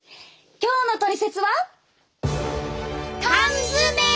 今日の「トリセツ」は？